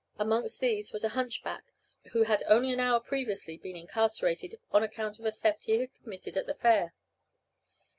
Amongst these was a hunchback, who had only an hour previously been incarcerated on account of a theft he had committed at the fair.